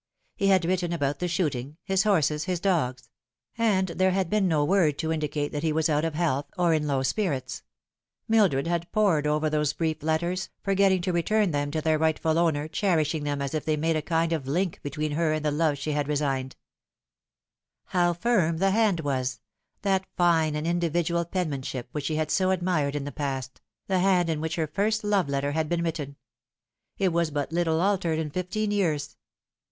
He had written about the shooting, his horses, his dogs ; and there had been no word to indicate that he was out of health, or in low spirits. Mildred had pored over those brief letters, for getting to return them to their rightful owner, cherishing them as if they made a kind of link between her and the love she had resigned 306 The Fatal flirw. How firm the hand was ! that fine and individual penman ship which she had so admired in the past the hand in which her first love letter had been written. It was but little altered in fifteen years.